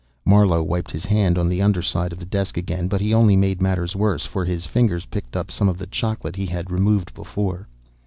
Marlowe wiped his hand on the underside of the desk again, but he only made matters worse, for his fingers picked up some of the chocolate he had removed before.